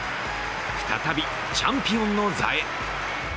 再びチャンピオンの座へ。